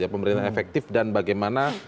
pemerintahan efektif dan bagaimana